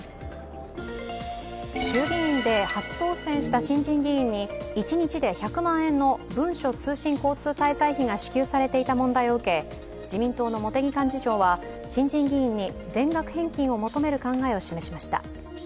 衆議院で初当選した新人議員に一日で１００万円の文書通信交通滞在費が支給されていた問題を受け自民党の茂木幹事長は、新人議員に全額返金を求める考えを示しまた。